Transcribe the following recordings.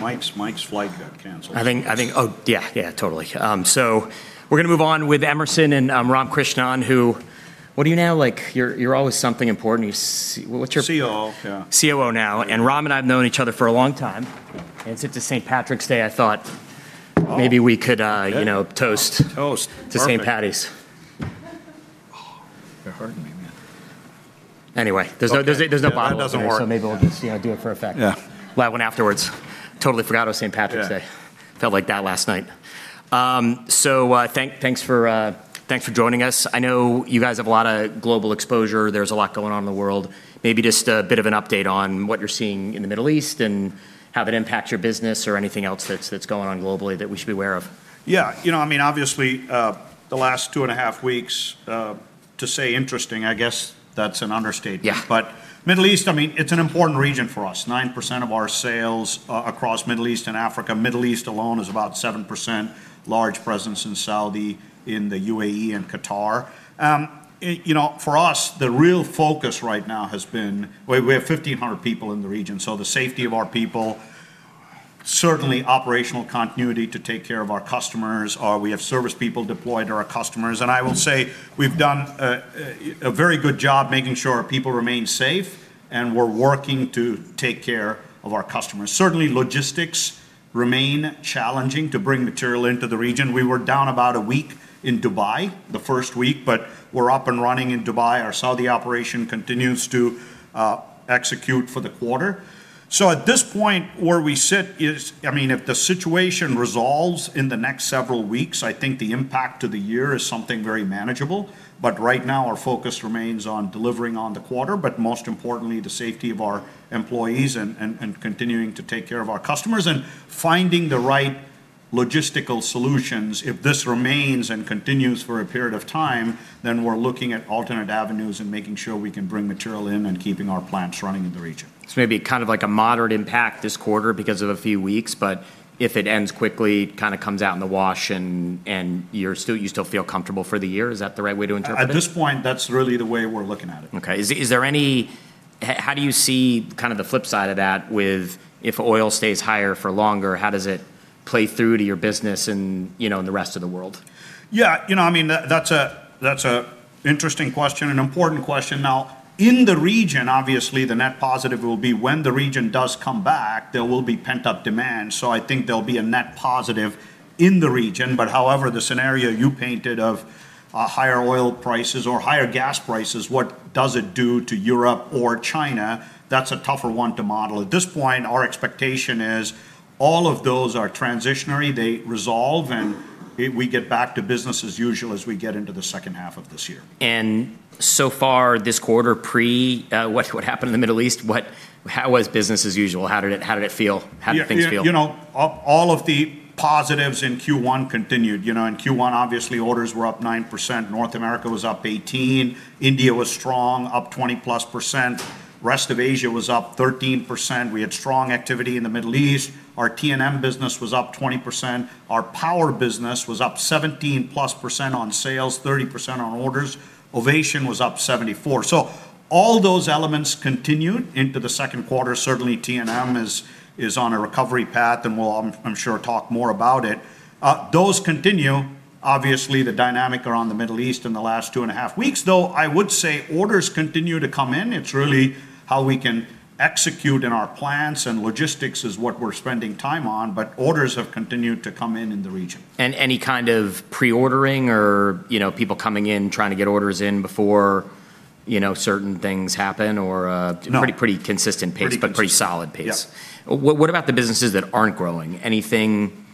Mike's flight got canceled. I think. Oh, yeah, totally. We're gonna move on with Emerson and Ram Krishnan, who, what are you now? Like, you're always something important. What's your field? COO, yeah COO now. Ram and I have known each other for a long time. Since it's St. Patrick's Day, I thought maybe we could. Oh You know toast. Toast. Perfect. To St. Patrick's Day. Oh, you're hurting me, man. Anyway. There's no bottle there. That doesn't work. Maybe we'll just, you know, do it for effect. Yeah. Well, I went afterwards. Totally forgot it was St. Patrick's Day. Yeah. Felt like that last night. Thanks for joining us. I know you guys have a lot of global exposure. There's a lot going on in the world. Maybe just a bit of an update on what you're seeing in the Middle East, and how that impacts your business or anything else that's going on globally that we should be aware of. Yeah. You know what I mean, obviously, the last 2.5 weeks, to say interesting, I guess that's an understatement. Yeah. Middle East, I mean, it's an important region for us. 9% of our sales across Middle East and Africa. Middle East alone is about 7%. Large presence in Saudi, in the UAE and Qatar. you know, for us, the real focus right now has been. We have 1,500 people in the region, so the safety of our people, certainly operational continuity to take care of our customers. We have service people deployed to our customers. I will say we've done a very good job making sure our people remain safe, and we're working to take care of our customers. Certainly, logistics remain challenging to bring material into the region. We were down about a week in Dubai the first week, but we're up and running in Dubai. Our Saudi operation continues to execute for the quarter. At this point, where we sit is, I mean, if the situation resolves in the next several weeks, I think the impact to the year is something very manageable. Right now, our focus remains on delivering on the quarter, but most importantly, the safety of our employees and continuing to take care of our customers, and finding the right logistical solutions. If this remains and continues for a period of time, then we're looking at alternate avenues and making sure we can bring material in and keeping our plants running in the region. maybe kind of like a moderate impact this quarter because of a few weeks, but if it ends quickly, it kind of comes out in the wash and you still feel comfortable for the year. Is that the right way to interpret it? At this point, that's really the way we're looking at it. Okay. How do you see kind of the flip side of that with if oil stays higher for longer, how does it play through to your business and, you know, in the rest of the world? Yeah. You know what I mean, that's an interesting question, an important question. Now, in the region, obviously, the net positive will be when the region does come back, there will be pent-up demand. I think there'll be a net positive in the region. However, the scenario you painted of higher oil prices or higher gas prices, what does it do to Europe or China? That's a tougher one to model. At this point, our expectation is all of those are transitory. They resolve, and we get back to business as usual as we get into the second half of this year. So far this quarter, pre what happened in the Middle East, how was business as usual? How did it feel? How did things feel? Yeah, you know, all of the positives in Q1 continued. You know, in Q1, obviously, orders were up 9%. North America was up 18%. India was strong, up 20+%. Rest of Asia was up 13%. We had strong activity in the Middle East. Our T&M business was up 20%. Our power business was up 17+% on sales, 30% on orders. Ovation was up 74. All those elements continued into the second quarter. Certainly, T&M is on a recovery path, and we'll, I'm sure, talk more about it. Those continue. Obviously, the dynamic around the Middle East in the last 2.5 weeks, though, I would say orders continue to come in. It's really how we can execute in our plants and logistics is what we're spending time on, but orders have continued to come in in the region. Any kind of pre-ordering or, you know, people coming in trying to get orders in before, you know, certain things happen or- No -pretty consistent pace. Pretty consistent. Pretty solid pace. Yeah. What about the businesses that aren't growing? Anything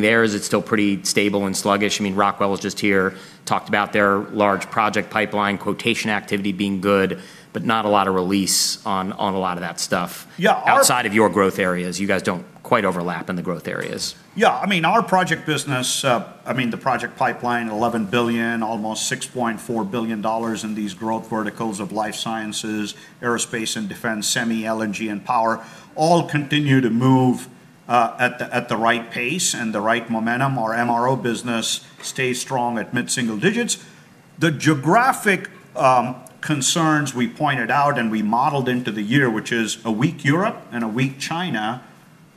there? Is it still pretty stable and sluggish? I mean, Rockwell was just here, talked about their large project pipeline, quotation activity being good, but not a lot of release on a lot of that stuff. Yeah. Outside of your growth areas. You guys don't quite overlap in the growth areas. Yeah. I mean, our project business, I mean, the project pipeline, $11 billion, almost $6.4 billion in these growth verticals of life sciences, aerospace and defense, semi, LNG, and power, all continue to move at the right pace and the right momentum. Our MRO business stays strong at mid-single digits%. The geographic concerns we pointed out and we modeled into the year, which is a weak Europe and a weak China,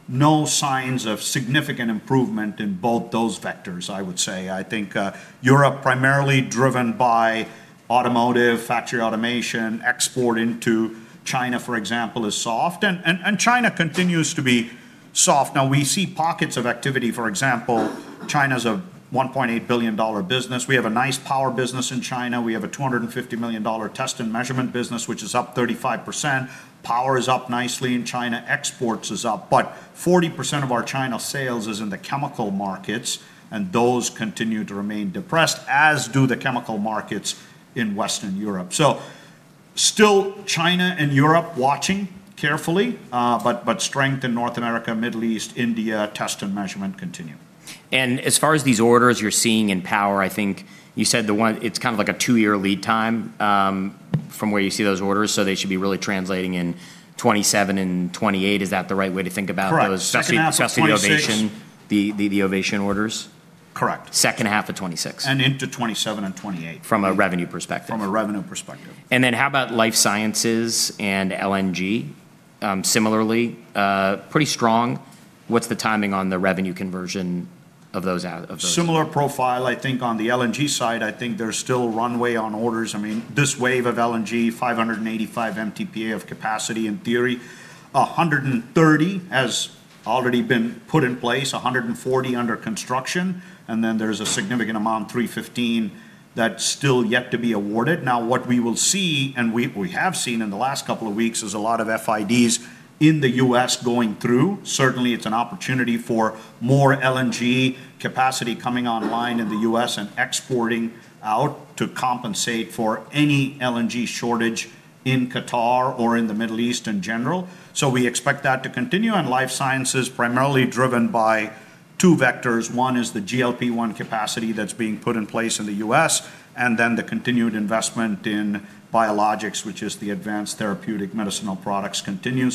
no signs of significant improvement in both those vectors, I would say. I think Europe primarily driven by automotive, factory automation, export into China, for example, is soft. And China continues to be soft. Now, we see pockets of activity. For example, China's a $1.8 billion business. We have a nice power business in China. We have a $250 million test and measurement business, which is up 35%. Power is up nicely in China. Exports is up. Forty percent of our China sales is in the chemical markets, and those continue to remain depressed, as do the chemical markets in Western Europe. Still China and Europe watching carefully, but strength in North America, Middle East, India, test and measurement continue. As far as these orders you're seeing in power, I think you said the one, it's kind of like a two-year lead time from where you see those orders, so they should be really translating in 2027 and 2028. Is that the right way to think about those? Correct. Second half of 2026 Especially the Ovation orders? Correct Second half of 2026 And into 2027 and 2028. From a revenue perspective? From a revenue perspective. How about life sciences and LNG, similarly, pretty strong. What's the timing on the revenue conversion of those? Similar profile. I think on the LNG side, there's still runway on orders. I mean, this wave of LNG, 585 MTPA of capacity in theory, 130 has already been put in place, 140 under construction, and then there's a significant amount, 315, that's still yet to be awarded. Now, what we will see, and we have seen in the last couple of weeks, is a lot of FIDs in the U.S. going through. Certainly, it's an opportunity for more LNG capacity coming online in the U.S. and exporting out to compensate for any LNG shortage in Qatar or in the Middle East in general. So we expect that to continue. Life sciences primarily driven by two vectors. One is the GLP-1 capacity that's being put in place in the U.S. and then the continued investment in biologics, which is the advanced therapeutic medicinal products, continue.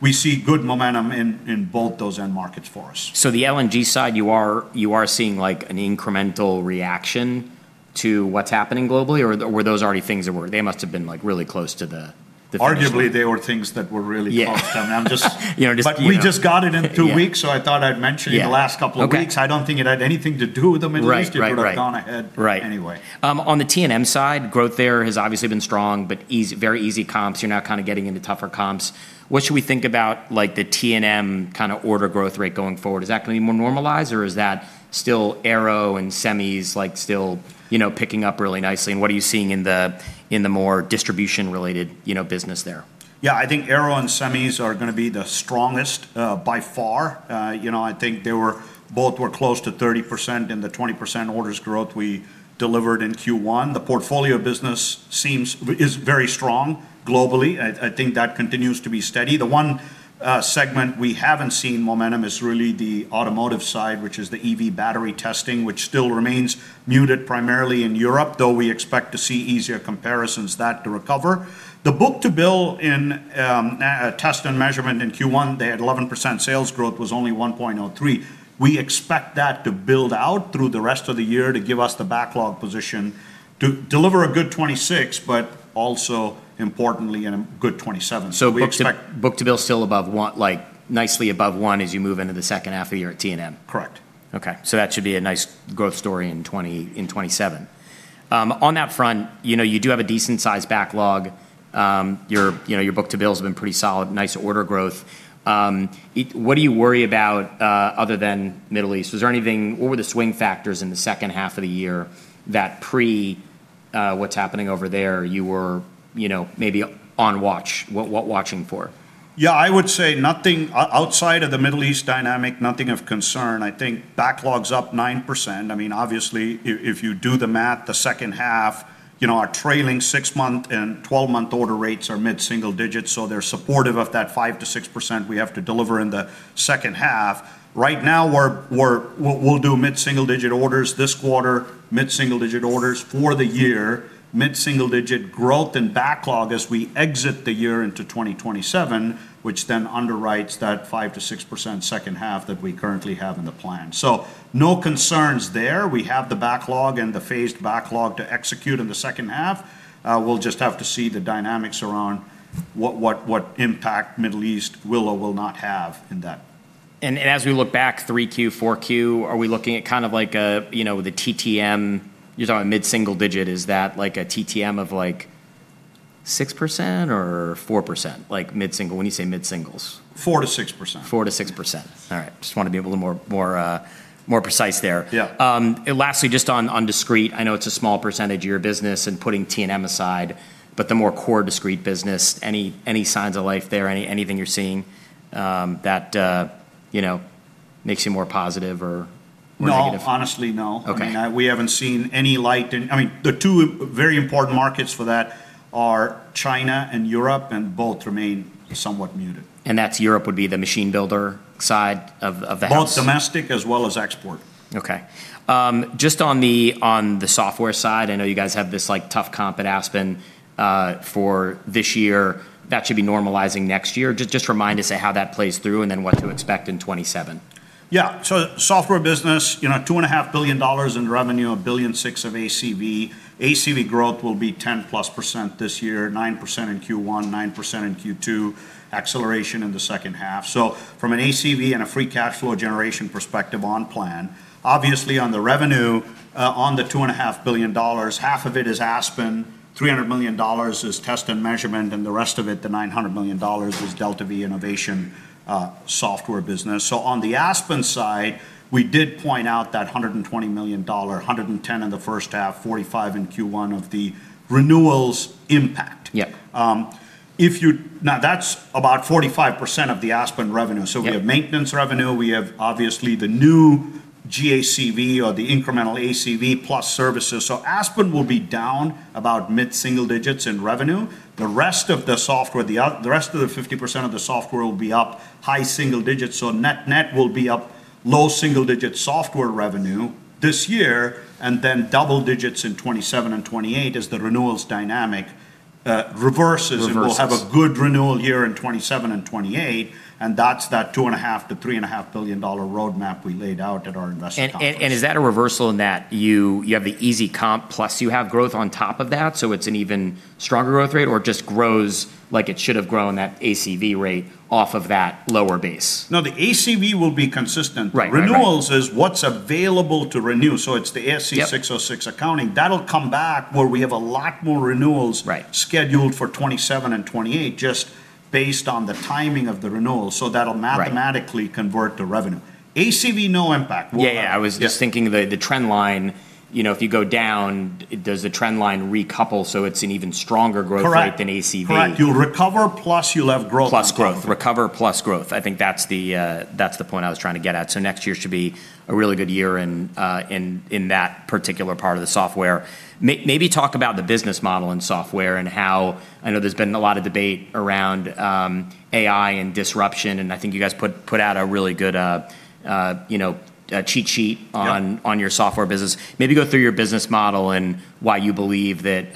We see good momentum in both those end markets for us. The LNG side, you are seeing like an incremental reaction to what's happening globally or were those already things that were. They must have been like really close to the finish line. Arguably, they were things that were really close. Yeah. I mean, I'm just. You know, just, you know. We just got it in two weeks. Yeah I thought I'd mention. Yeah In the last couple of weeks. Okay. I don't think it had anything to do with the Middle East. Right. It would have gone ahead. Right Anyway. On the T&M side, growth there has obviously been strong, but very easy comps. You're now kind of getting into tougher comps. What should we think about like the T&M kind of order growth rate going forward? Is that gonna be more normalized or is that still aero and semis like still, you know, picking up really nicely? And what are you seeing in the, in the more distribution related, you know, business there? Yeah. I think aero and semis are gonna be the strongest, by far. You know, I think both were close to 30% in the 20% orders growth we delivered in Q1. The portfolio business is very strong globally. I think that continues to be steady. The one segment we haven't seen momentum is really the automotive side, which is the EV battery testing, which still remains muted primarily in Europe, though we expect to see easier comparisons that to recover. The book-to-bill in test and measurement in Q1, they had 11% sales growth, was only 1.03. We expect that to build out through the rest of the year to give us the backlog position to deliver a good 2026, but also importantly in a good 2027. So We expect. Book-to-bill still above 1—like nicely above 1 as you move into the second half of the year at T&M? Correct. That should be a nice growth story in 2027. On that front, you know, you do have a decent-sized backlog. Your book-to-bills have been pretty solid, nice order growth. What do you worry about other than Middle East? What were the swing factors in the second half of the year that, prior to what's happening over there, you were, you know, maybe on watch, what watching for? Yeah, I would say nothing outside of the Middle East dynamic, nothing of concern. I think backlog's up 9%. I mean, obviously, if you do the math, the second half, you know, our trailing six-month and 12-month order rates are mid-single digits, so they're supportive of that 5%-6% we have to deliver in the second half. Right now we'll do mid-single digit orders this quarter, mid-single digit orders for the year, mid-single digit growth and backlog as we exit the year into 2027, which then underwrites that 5%-6% second half that we currently have in the plan. So no concerns there. We have the backlog and the phased backlog to execute in the second half. We'll just have to see the dynamics around what impact Middle East will or will not have in that. As we look back Q3, Q4, are we looking at kind of like a, you know, the TTM. You're talking mid-single digit. Is that like a TTM of like 6% or 4%? Like mid-single. When you say mid-singles. 4%-6%. 4%-6%. All right. Just wanna be a little more precise there. Yeah. Lastly, just on discrete, I know it's a small percentage of your business and putting T&M aside, but the more core discrete business, any signs of life there? Anything you're seeing, that you know, makes you more positive or negative? No. Honestly, no. Okay. I mean, we haven't seen any light. I mean, the two very important markets for that are China and Europe, and both remain somewhat muted. That's Europe would be the machine builder side of that. Both domestic as well as export. Okay. Just on the software side, I know you guys have this like tough comp at AspenTech for this year. That should be normalizing next year. Just remind us how that plays through and then what to expect in 2027. Yeah. Software business, you know, $2.5 billion in revenue, $1.6 billion of ACV. ACV growth will be 10%+ this year, 9% in Q1, 9% in Q2, acceleration in the second half. From an ACV and a free cash flow generation perspective on plan, obviously on the revenue, on the $2.5 billion, half of it is Aspen, $300 million is test and measurement, and the rest of it, the $900 million is DeltaV and Ovation, software business. On the Aspen side, we did point out that $120 million, $110 million in the first half, $45 million in Q1 of the renewals impact. Yeah. Now, that's about 45% of the AspenTech revenue. Yeah. We have maintenance revenue, we have obviously the new GACV or the incremental ACV plus services. AspenTech will be down about mid-single digits% in revenue. The rest of the software, the rest of the 50% of the software will be up high single digits%. Net software revenue will be up low single digits% this year, and then double digits% in 2027 and 2028 as the renewals dynamic reverses. Reverses We'll have a good renewal year in 2027 and 2028, and that's the $2.5 billion-$3.5 billion roadmap we laid out at our investor conference. Is that a reversal in that you have the easy comp plus you have growth on top of that, so it's an even stronger growth rate, or it just grows like it should have grown that ACV rate off of that lower base? No, the ACV will be consistent. Right. Renewals is what's available to renew, so it's the ASC 606. Yep ASC 606 accounting. That'll come back where we have a lot more renewals. Right Scheduled for 2027 and 2028 just based on the timing of the renewal. That'll- Right Mathematically convert to revenue. ACV, no impact. Yeah, yeah. I was just- Yeah -thinking the trend line, you know, if you go down, does the trend line recouple so it's an even stronger growth- Correct -rate than ACV? Correct. You'll recover plus you'll have growth on top of it. Plus growth. Recovery plus growth. I think that's the point I was trying to get at. Next year should be a really good year in that particular part of the software. Maybe talk about the business model in software and how I know there's been a lot of debate around AI and disruption, and I think you guys put out a really good, you know, a cheat sheet. Yep On your software business. Maybe go through your business model and why you believe that,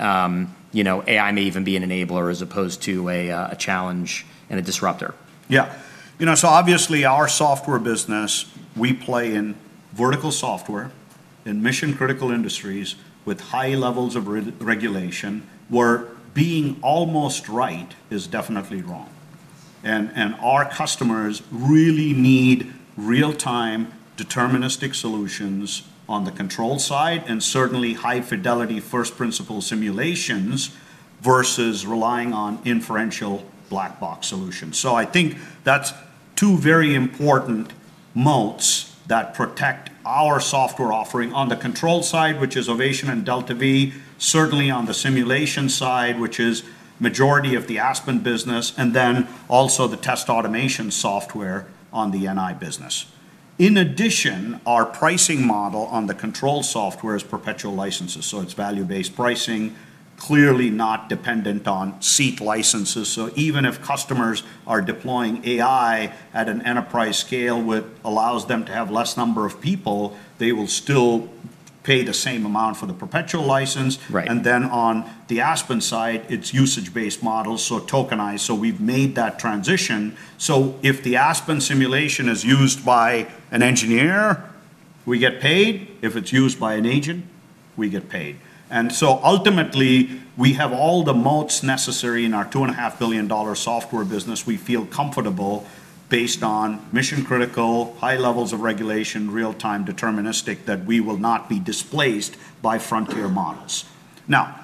you know, AI may even be an enabler as opposed to a challenge and a disruptor. Yeah. You know, obviously our software business, we play in vertical software, in mission-critical industries with high levels of regulation, where being almost right is definitely wrong. And our customers really need real-time deterministic solutions on the control side, and certainly high-fidelity first-principles simulations versus relying on inferential black box solutions. I think that's two very important moats that protect our software offering on the control side, which is Ovation and DeltaV, certainly on the simulation side, which is majority of the Aspen business, and then also the test automation software on the NI business. In addition, our pricing model on the control software is perpetual licenses, so it's value-based pricing, clearly not dependent on seat licenses. Even if customers are deploying AI at an enterprise scale, which allows them to have less number of people, they will still pay the same amount for the perpetual license. Right. On the AspenTech side, it's usage-based models, so tokenized. We've made that transition. If the AspenTech simulation is used by an engineer, we get paid. If it's used by an agent, we get paid. Ultimately, we have all the moats necessary in our $2.5 billion software business. We feel comfortable based on mission-critical, high levels of regulation, real-time deterministic, that we will not be displaced by frontier models. Now,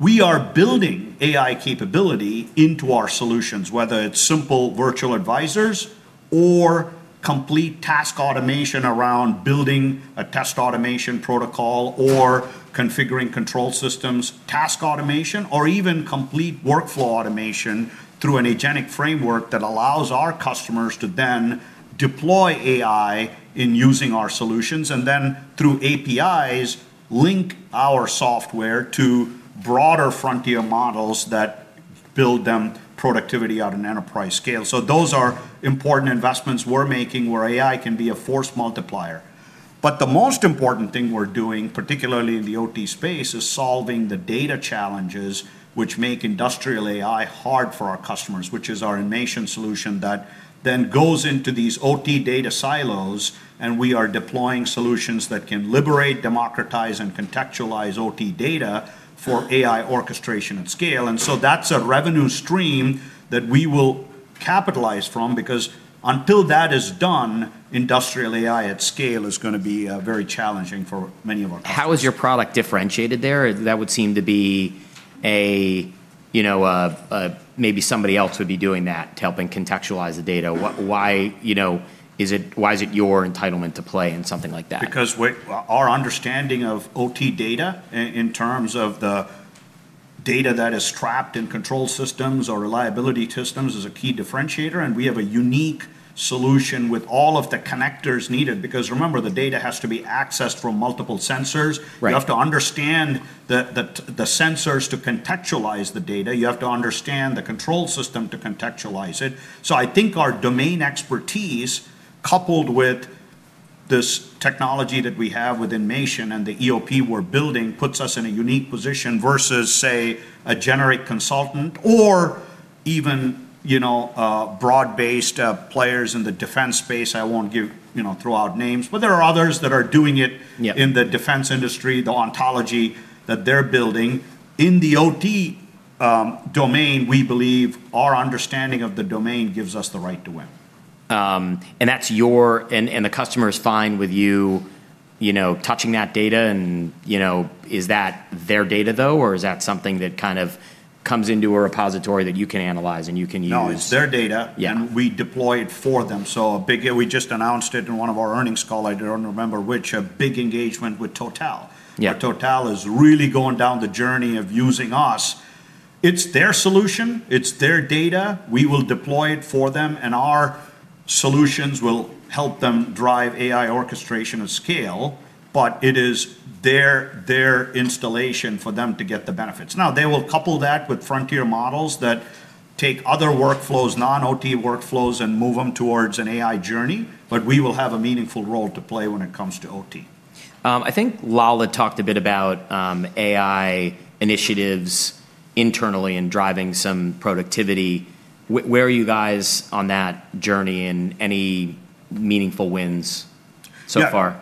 we are building AI capability into our solutions, whether it's simple virtual advisors or complete task automation around building a test automation protocol or configuring control systems, task automation, or even complete workflow automation through an agentic framework that allows our customers to then deploy AI in using our solutions, and then through APIs, link our software to broader frontier models that build their productivity at an enterprise scale. Those are important investments we're making where AI can be a force multiplier. The most important thing we're doing, particularly in the OT space, is solving the data challenges which make industrial AI hard for our customers, which is our Inmation solution that then goes into these OT data silos, and we are deploying solutions that can liberate, democratize, and contextualize OT data for AI orchestration at scale. That's a revenue stream that we will capitalize from, because until that is done, industrial AI at scale is gonna be very challenging for many of our customers. How is your product differentiated there? That would seem to be, you know, maybe somebody else would be doing that to helping contextualize the data. Why, you know, is it why is it your entitlement to play in something like that? Because our understanding of OT data in terms of the data that is trapped in control systems or reliability systems is a key differentiator, and we have a unique solution with all of the connectors needed. Because remember, the data has to be accessed from multiple sensors. Right. You have to understand the sensors to contextualize the data. You have to understand the control system to contextualize it. I think our domain expertise, coupled with this technology that we have with Inmation and the EOP we're building, puts us in a unique position versus, say, a generic consultant or even, you know, broad-based players in the defense space. I won't give, you know, throw out names, but there are others that are doing it. Yeah In the defense industry, the ontology that they're building. In the OT domain, we believe our understanding of the domain gives us the right to win. And thats your, and the customer is fine with you know, touching that data and, you know, is that their data though? Or is that something that kind of comes into a repository that you can analyze and you can use? No, it's their data. Yeah. We deploy it for them. We just announced it in one of our earnings call, I don't remember which, a big engagement with TotalEnergies. Yeah. TotalEnergies is really going down the journey of using us. It's their solution, it's their data. We will deploy it for them, and our solutions will help them drive AI orchestration at scale, but it is their installation for them to get the benefits. Now, they will couple that with frontier models that take other workflows, non-OT workflows, and move them towards an AI journey, but we will have a meaningful role to play when it comes to OT. I think Lal talked a bit about AI initiatives internally and driving some productivity. Where are you guys on that journey and any meaningful wins so far?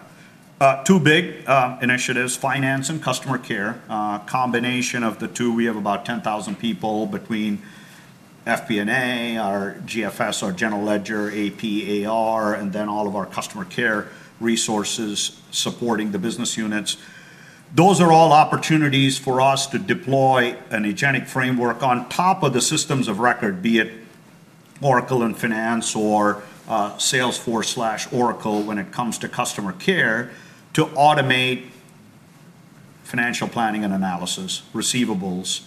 Yeah. Two big initiatives, finance and customer care. Combination of the two, we have about 10,000 people between FP&A, our GFS, our general ledger, AP, AR, and then all of our customer care resources supporting the business units. Those are all opportunities for us to deploy an agentic framework on top of the systems of record, be it Oracle and Finance or, Salesforce/Oracle when it comes to customer care to automate financial planning and analysis, receivables,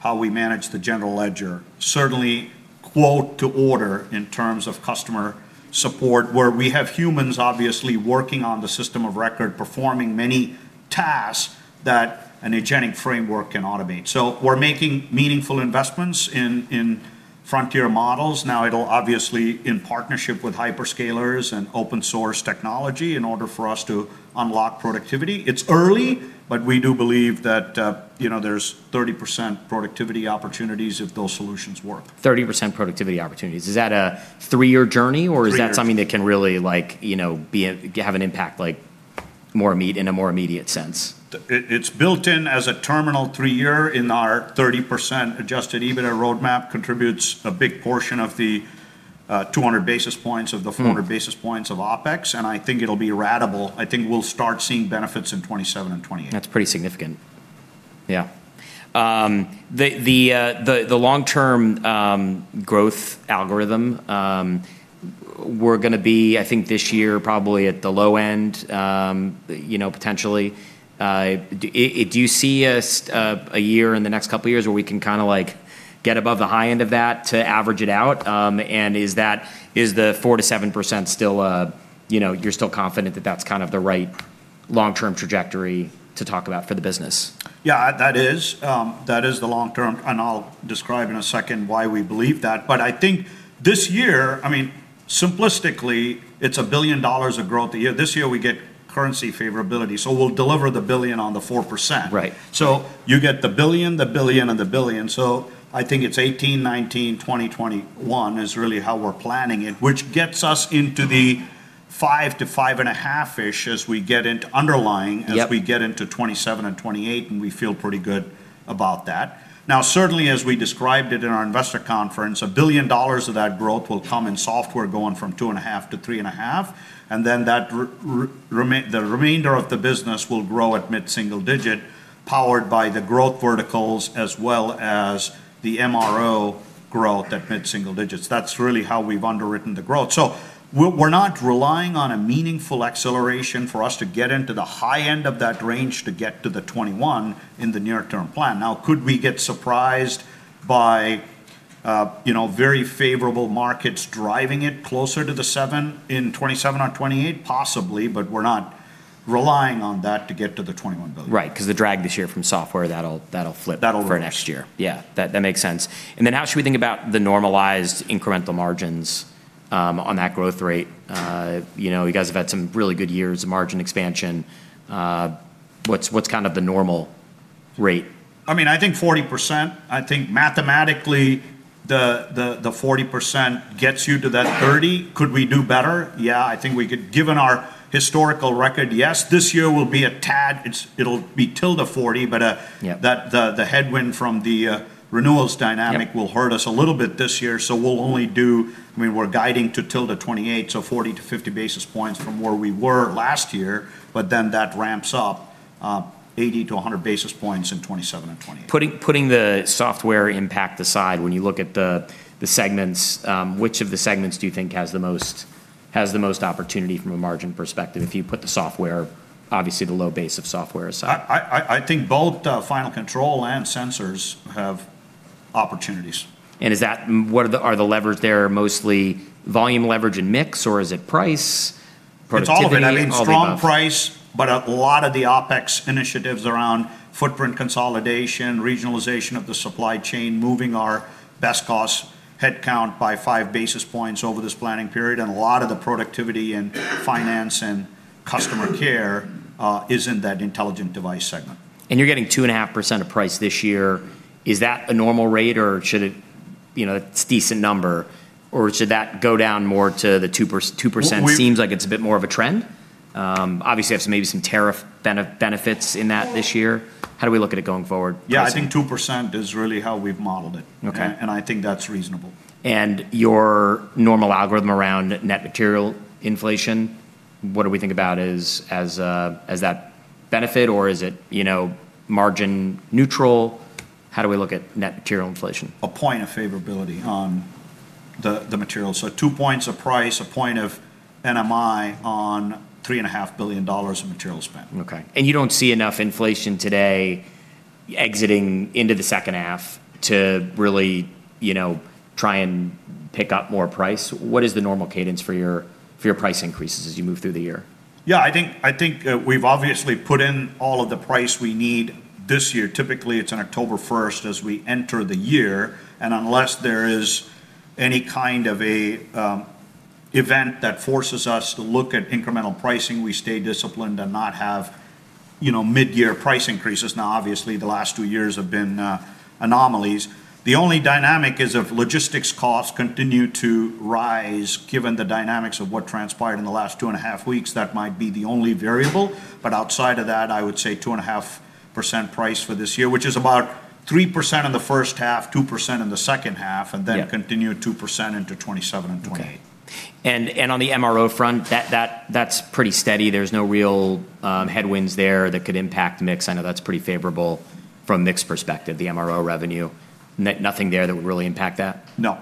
how we manage the general ledger. Certainly quote to order in terms of customer support, where we have humans obviously working on the system of record, performing many tasks that an agentic framework can automate. We're making meaningful investments in frontier models. Now, it'll obviously in partnership with hyperscalers and open source technology in order for us to unlock productivity. It's early, but we do believe that, you know, there's 30% productivity opportunities if those solutions work. 30% productivity opportunities. Is that a three-year journey? Three years. Or Is that something that can really like, you know, have an impact in a more immediate sense? It's built in as a terminal three-year in our 30% adjusted EBITDA roadmap, contributes a big portion of the 200 basis points of the- Mm-hmm... 400 basis points of OpEx, and I think it'll be ratable. I think we'll start seeing benefits in 2027 and 2028. That's pretty significant. Yeah. The long-term growth algorithm, we're gonna be, I think this year probably at the low end, you know, potentially. Do you see us a year in the next couple of years where we can kinda like get above the high end of that to average it out? Is the 4%-7% still, you know, you're still confident that that's kind of the right long-term trajectory to talk about for the business? Yeah, that is the long term, and I'll describe in a second why we believe that. I think this year, I mean, simplistically, it's $1 billion of growth a year. This year we get currency favorability, so we'll deliver the $1 billion on the 4%. Right. You get the $1 billion, the $1 billion, and the $1 billion. I think it's 2018, 2019, 2020, 2021 is really how we're planning it, which gets us into the $5-$5.5-ish. Yep As we get into 2027 and 2028, and we feel pretty good about that. Now, certainly, as we described it in our investor conference, $1 billion of that growth will come in software going from $2.5 billion-$3.5 billion, and then the remainder of the business will grow at mid-single digit, powered by the growth verticals as well as the MRO growth at mid-single digits. That's really how we've underwritten the growth. We're not relying on a meaningful acceleration for us to get into the high end of that range to get to the $21 billion in the near-term plan. Now, could we get surprised by you know, very favorable markets driving it closer to the 7% in 2027 or 2028? Possibly, but we're not relying on that to get to the $21 billion. Right. 'Cause the drag this year from software, that'll flip- That'll-... for next year. Yeah, that makes sense. Then how should we think about the normalized incremental margins on that growth rate? You know, you guys have had some really good years of margin expansion. What's kind of the normal rate? I mean, I think 40%. I think mathematically, the 40% gets you to that 30. Could we do better? Yeah, I think we could. Given our historical record, yes. This year will be a tad. It'll be tilde 40, but- Yeah -the headwind from the renewals dynamic- Yeah -will hurt us a little bit this year. I mean, we're guiding to ~28%, so 40-50 basis points from where we were last year, but then that ramps up, 80-100 basis points in 2027 and 2028. Putting the software impact aside, when you look at the segments, which of the segments do you think has the most opportunity from a margin perspective if you put the software, obviously the low base of software aside? I think both final control and sensors have opportunities. What are the levers there, mostly volume leverage and mix, or is it price, productivity? It's all of it. All of the above. I mean, strong price, but a lot of the OpEx initiatives around footprint consolidation, regionalization of the supply chain, moving our best cost headcount by five basis points over this planning period, and a lot of the productivity in finance and customer care is in that intelligent device segment. You're getting 2.5% of price this year. Is that a normal rate, or should it, you know, it's a decent number. Or should that go down more to the 2%. Seems like it's a bit more of a trend. Obviously, have some maybe some tariff benefits in that this year. How do we look at it going forward, pricing? Yeah, I think 2% is really how we've modeled it. Okay. And I think that's reasonable. Your normal algorithm around net material inflation, what do we think about as that benefit? Or is it, you know, margin neutral? How do we look at net material inflation? A point of favorability on the material. Two points of price, a point of NMI on $3.5 billion of material spend. Okay. You don't see enough inflation today exiting into the second half to really, you know, try and pick up more price? What is the normal cadence for your price increases as you move through the year? Yeah, I think we've obviously put in all of the price we need this year. Typically, it's on October first as we enter the year, and unless there is any kind of a event that forces us to look at incremental pricing, we stay disciplined and not have, you know, midyear price increases. Now, obviously, the last two years have been anomalies. The only dynamic is if logistics costs continue to rise, given the dynamics of what transpired in the last two and a half weeks, that might be the only variable. But outside of that, I would say 2.5% price for this year, which is about 3% in the first half, 2% in the second half. Yeah And then continue at 2% into 2027 and 2028. Okay. On the MRO front, that's pretty steady. There's no real headwinds there that could impact mix. I know that's pretty favorable from mix perspective, the MRO revenue. Nothing there that would really impact that? No.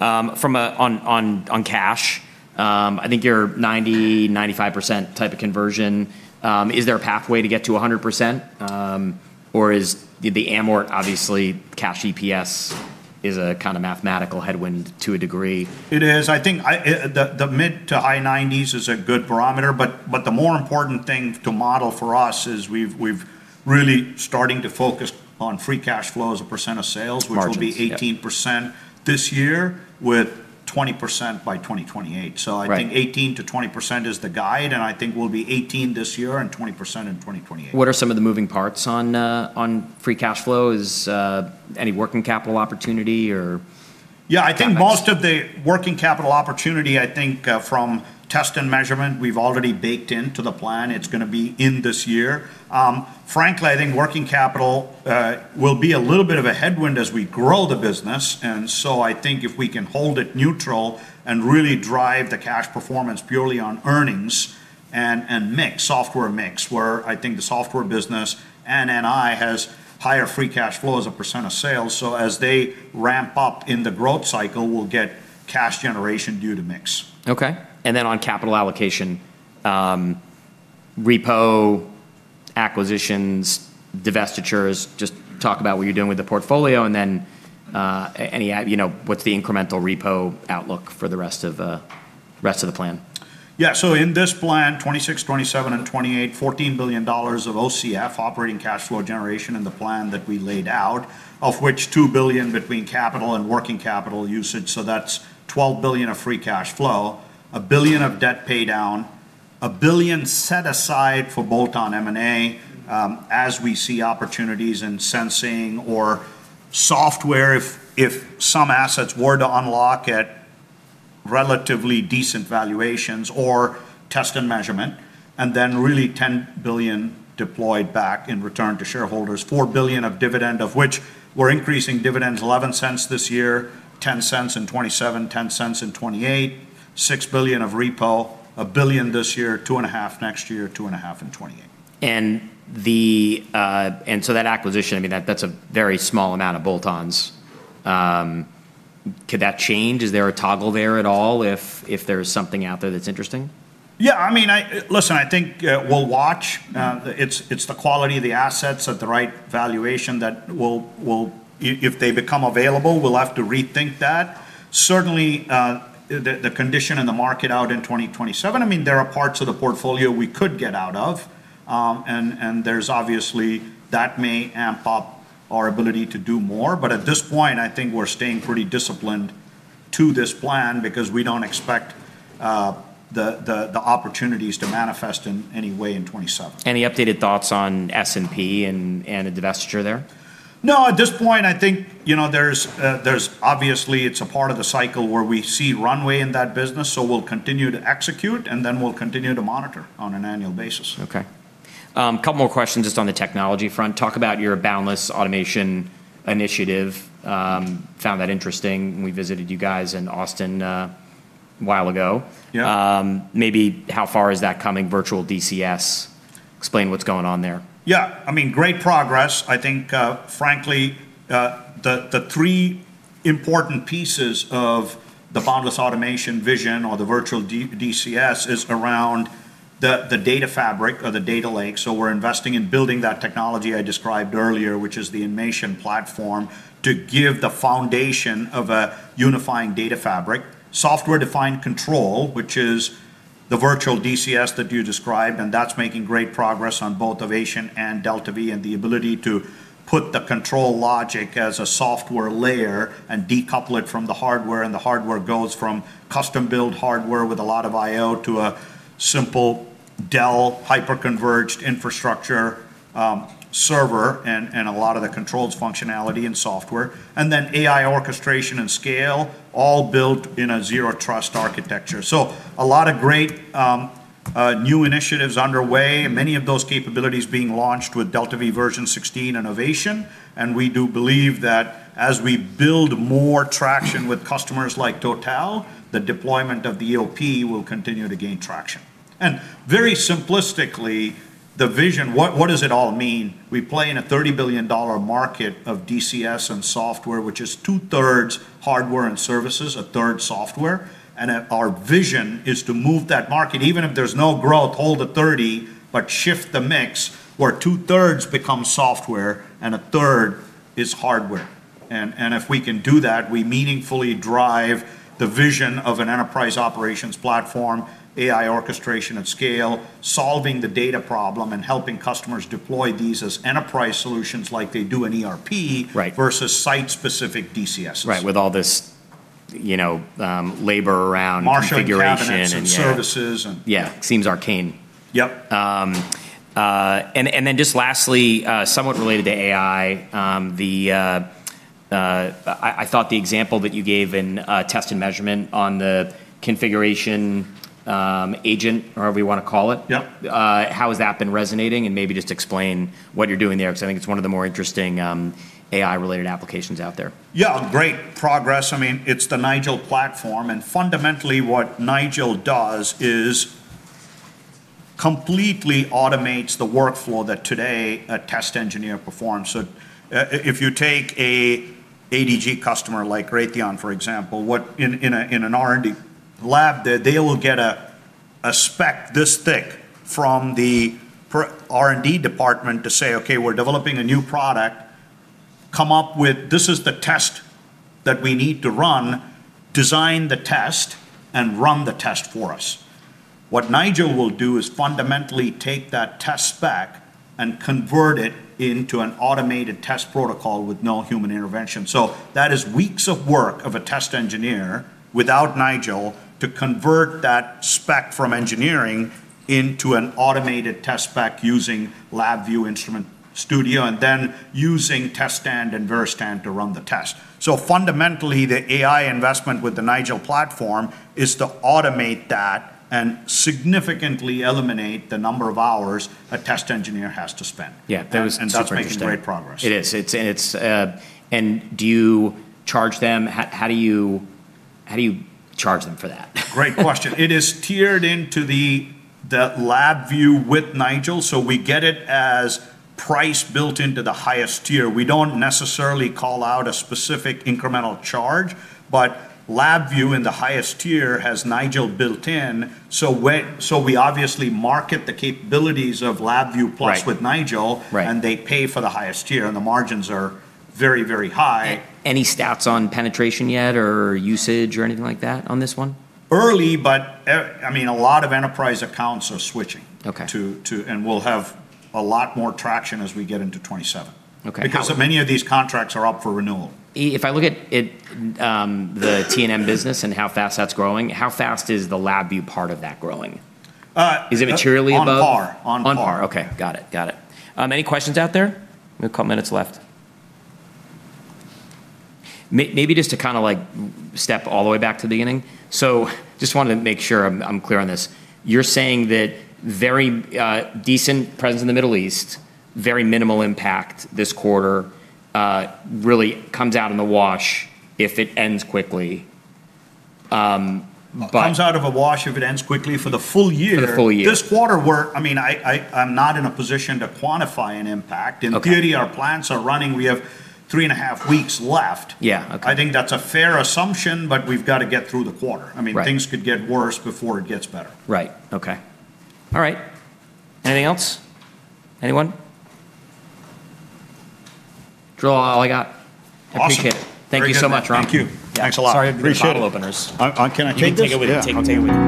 On cash, I think you're 95% type of conversion. Is there a pathway to get to 100%, or is the amortization obviously cash EPS is a kinda mathematical headwind to a degree? It is. I think the mid- to high-90s is a good barometer, but the more important thing to model for us is we've really starting to focus on free cash flow as a percent of sales. Margins, yeah. Which will be 18% this year, with 20% by 2028. Right. So I think 18%-20% is the guide, and I think we'll be 18% this year and 20% in 2028. What are some of the moving parts on free cash flow? Is any working capital opportunity or- Yeah, I think most of the working capital opportunity, I think, from test and measurement, we've already baked into the plan. It's gonna be in this year. Frankly, I think working capital will be a little bit of a headwind as we grow the business. I think if we can hold it neutral and really drive the cash performance purely on earnings and mix, software mix, where I think the software business and NI has higher free cash flow as a percent of sales. As they ramp up in the growth cycle, we'll get cash generation due to mix. Okay. Then on capital allocation, repo, acquisitions, divestitures, just talk about what you're doing with the portfolio, and then, you know, what's the incremental repo outlook for the rest of the plan? Yeah. In this plan, 2026, 2027 and 2028, $14 billion of OCF, operating cash flow generation in the plan that we laid out, of which $2 billion between capital and working capital usage, so that's $12 billion of free cash flow. $1 billion of debt pay down, $1 billion set aside for bolt-on M&A, as we see opportunities in sensing or software if some assets were to unlock at relatively decent valuations or test and measurement, and then really $10 billion deployed back in return to shareholders. $4 billion of dividend, of which we're increasing dividends $0.11 this year, $0.10 in 2027, $0.10 in 2028. $6 billion of repo, $1 billion this year, $2.5 billion next year, $2.5 billion in 2028. And the, and so that acquisition, I mean, that's a very small amount of bolt-ons. Could that change? Is there a toggle there at all if there's something out there that's interesting? Yeah. I mean, Listen, I think we'll watch. It's the quality of the assets at the right valuation that we'll if they become available, we'll have to rethink that. Certainly, the condition in the market out in 2027, I mean, there are parts of the portfolio we could get out of, and there's obviously that may amp up our ability to do more. At this point, I think we're staying pretty disciplined to this plan because we don't expect the opportunities to manifest in any way in 2027. Any updated thoughts on S&P and a divestiture there? No. At this point, I think, you know, there's obviously, it's a part of the cycle where we see runway in that business, so we'll continue to execute, and then we'll continue to monitor on an annual basis. Okay. A couple more questions just on the technology front. Talk about your Boundless Automation initiative. Found that interesting when we visited you guys in Austin a while ago. Yeah. Maybe how far is that coming virtual DCS? Explain what's going on there. Yeah. I mean, great progress. I think, frankly, the three important pieces of the Boundless Automation vision or the virtual DCS is around the data fabric or the data lake. We're investing in building that technology I described earlier, which is the Inmation platform, to give the foundation of a unifying data fabric. Software-defined control, which is the virtual DCS that you described, and that's making great progress on both Ovation and DeltaV and the ability to put the control logic as a software layer and decouple it from the hardware, and the hardware goes from custom-built hardware with a lot of IO to a simple Dell hyperconverged infrastructure server and a lot of the controls functionality and software. Then AI orchestration and scale, all built in a zero trust architecture. A lot of great new initiatives underway, many of those capabilities being launched with DeltaV version 16 and Ovation, and we do believe that as we build more traction with customers like Total, the deployment of the EOP will continue to gain traction. Very simplistically, the vision, what does it all mean? We play in a $30 billion market of DCS and software, which is two-thirds hardware and services, a third software, and our vision is to move that market, even if there's no growth, hold the 30 but shift the mix where two-thirds becomes software and a third is hardware. If we can do that, we meaningfully drive the vision of an Enterprise Operations Platform, AI orchestration at scale, solving the data problem, and helping customers deploy these as enterprise solutions like they do in ERP. Right Versus site-specific DCSs. Right. With all this, you know, labor around. Marshalling cabinets- Configuration, and yeah - and services. Yeah. Seems arcane. Yep. Just lastly, somewhat related to AI, I thought the example that you gave in test and measurement on the configuration agent or however you wanna call it. Yep How has that been resonating? Maybe just explain what you're doing there 'cause I think it's one of the more interesting AI-related applications out there. Yeah. Great progress. I mean, it's the Nigel platform, and fundamentally what Nigel does is completely automates the workflow that today a test engineer performs. If you take an A&D customer like Raytheon, for example, in an R&D lab there, they will get a spec this thick from the R&D department to say, "Okay, we're developing a new product. Come up with this is the test that we need to run, design the test, and run the test for us." What Nigel will do is fundamentally take that test spec and convert it into an automated test protocol with no human intervention. That is weeks of work of a test engineer without Nigel to convert that spec from engineering into an automated test spec using LabVIEW, InstrumentStudio, and then using TestStand and VeriStand to run the test. Fundamentally, the AI investment with the Nigel platform is to automate that and significantly eliminate the number of hours a test engineer has to spend. Yeah. That was super interesting. That's making great progress. It is. It's and it's. Do you charge them? How do you charge them for that? Great question. It is tiered into the LabVIEW with Nigel, so we get it as price built into the highest tier. We don't necessarily call out a specific incremental charge, but LabVIEW in the highest tier has Nigel built in. We obviously market the capabilities of LabVIEW Plus- Right -with Nigel. Right. They pay for the highest tier, and the margins are very, very high. Any stats on penetration yet or usage or anything like that on this one? Early, but, I mean, a lot of enterprise accounts are switching- Okay We'll have a lot more traction as we get into 2027. Okay. Because so many of these contracts are up for renewal. If I look at it, the T&M business and how fast that's growing, how fast is the LabVIEW part of that growing? Uh- Is it materially above? On par. On par. Okay. Got it. Any questions out there? We have a couple minutes left. Maybe just to kinda, like, step all the way back to the beginning, so just wanted to make sure I'm clear on this. You're saying that very decent presence in the Middle East, very minimal impact this quarter, really comes out in the wash if it ends quickly. But- Comes out in the wash if it ends quickly for the full year. For the full year. I mean, I'm not in a position to quantify an impact. Okay. In theory, our plants are running. We have three and a half weeks left. Yeah. Okay. I think that's a fair assumption, but we've gotta get through the quarter. Right. I mean, things could get worse before it gets better. Right. Okay. All right. Anything else? Anyone? Throw all I got. Awesome. I appreciate it. Thank you so much, Ram. Thank you. Thanks a lot. Sorry about the bottle openers. Can I take this? You can take it with you. Take it with you.